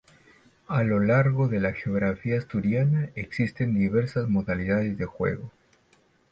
A lo largo de la geografía asturiana existen diversas modalidades de juego.